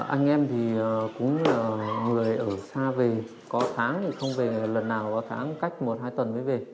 anh em thì cũng người ở xa về có tháng thì không về lần nào có tháng cách một hai tuần mới về